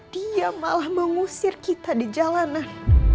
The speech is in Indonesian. dia malah mengusir kita di jalanan